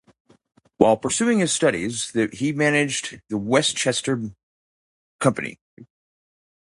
While pursuing his studies, he managed the Westetner Company.